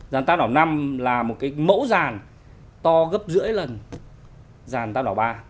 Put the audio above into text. giàn tàm đảo năm là một cái mẫu giàn to gấp rưỡi lần giàn tàm đảo ba